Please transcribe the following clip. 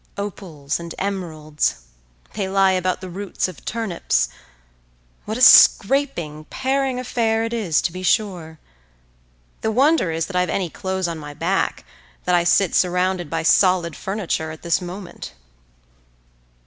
Opals and emeralds, they lie about the roots of turnips. What a scraping paring affair it is to be sure! The wonder is that I've any clothes on my back, that I sit surrounded by solid furniture at this moment.